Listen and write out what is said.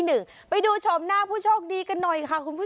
เงช่านาย